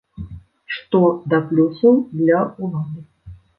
Што да плюсаў для ўлады.